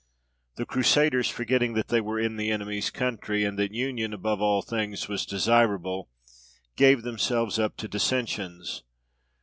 The Crusaders, forgetting that they were in the enemy's country, and that union, above all things, was desirable, gave themselves up to dissensions.